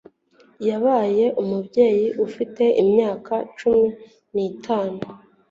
Yabaye umubyeyi afite imyaka cumi nitanu